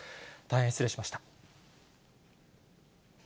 大変失礼しました。